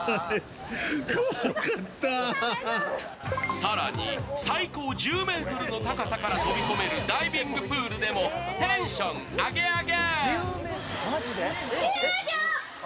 更に、最高１０ｍの高さから飛び込めるダイビングプールでもテンションアゲアゲ！